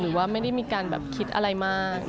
หรือว่าไม่ได้มีการแบบคิดอะไรมาก